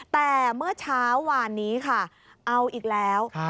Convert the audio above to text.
แต่เมื่อเช้าวานนี้ค่ะเอาอีกแล้ว